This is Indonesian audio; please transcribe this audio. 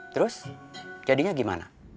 terus jadinya gimana